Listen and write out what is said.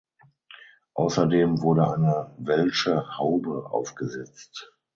Außerdem wurde eine welsche Haube aufgesetzt.